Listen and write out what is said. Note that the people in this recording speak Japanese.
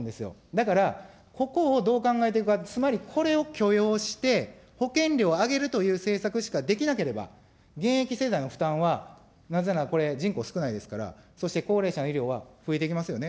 だからここをどう考えていくか、つまり、これを許容して、保険料を上げるという政策しかできなければ、現役世代の負担はなぜなら、これ、人口少ないですから、そして、高齢者の医療は増えてきますよね。